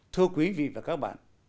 thưa quý vị và các bạn